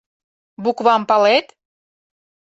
Буквам палет?